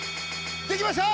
できました！